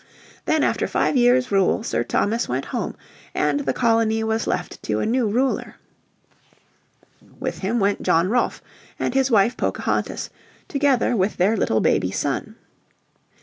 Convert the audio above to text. Then after five years' rule Sir Thomas went home and the colony was left to a new ruler. With him went John Rolfe and his wife Pocahontas, together with their little baby son.